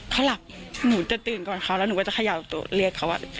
เขาหลับหนูจะตื่นก่อนเขาแล้วหนูก็จะเขย่าประตูเรียกเขาว่า